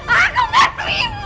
aku gak terima